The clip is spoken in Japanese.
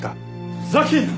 ふざけんな！